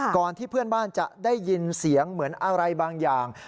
ก่อนที่เพื่อนบ้านจะได้ยินเสียงเหมือนอะไรบางอย่าง